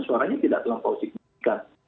suaranya tidak terlampau signifikan